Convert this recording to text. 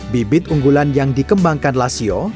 bibit unggulan yang dikembangkan lasio